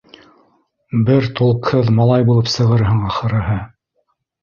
Бер толкһыҙ малай булып сығырһың, ахырыһы!